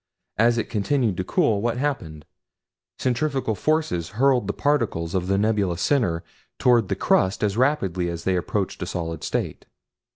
As it continued to cool, what happened? Centrifugal force hurled the particles of the nebulous center toward the crust as rapidly as they approached a solid state.